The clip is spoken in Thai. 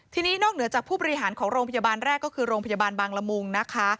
ทีนี้นอกเหนือจากผู้บริหารของโรงพยาบาลแรกก็คือโรงพยาบาลบางละมุงนะคะ